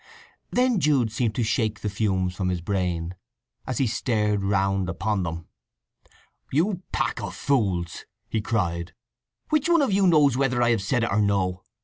Then Jude seemed to shake the fumes from his brain, as he stared round upon them. "You pack of fools!" he cried. "Which one of you knows whether I have said it or no?